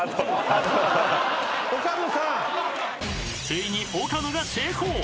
［ついに岡野が成功］